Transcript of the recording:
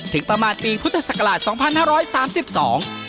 ถึงประมาณปีพุทธศักราช๒๕๓๒